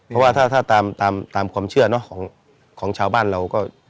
เพราะว่าถ้าตามตามความเชื่อเนอะของชาวบ้านเราก็